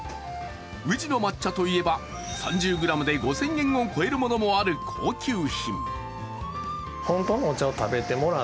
宇治の抹茶といえば３０ｇで５０００円を超えるものもある高級品。